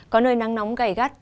có nơi nắng nóng gầy gắt